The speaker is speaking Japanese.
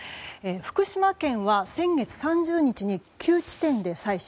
福島県は先月３０日に９地点で採取。